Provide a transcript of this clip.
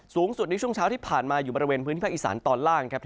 สูงสุดในช่วงเช้าที่ผ่านมาอยู่บริเวณพื้นที่ภาคอีสานตอนล่างครับ